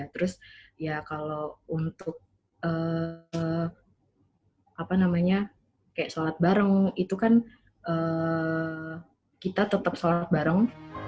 terus ya kalau untuk apa namanya kayak sholat bareng itu kan kita tetap sholat bareng